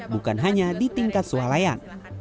bukan hanya di tingkat sualayan